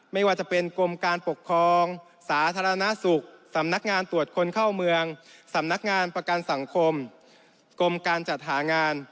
ไม่ว่าจะเป็นกรมการปกครองสาธารณสุขสำนักงานตรวจคนเข้าเมืองสำนักงานประกันสังคมกรมการจัดหางาน